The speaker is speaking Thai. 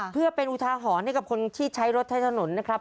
เพื่อเป็นอุทาหรณ์ให้กับคนที่ใช้รถใช้ถนนนะครับ